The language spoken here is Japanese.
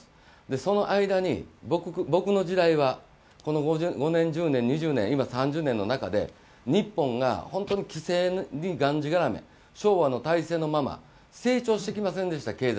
その間に僕の時代は、５年１０年、２０年、今３０年の中で日本が本当に規制でがんじがらめ昭和の体制のまま経済の成長はしてきませんでした。